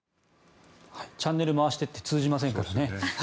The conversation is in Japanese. チャンネル回してって通じませんからね。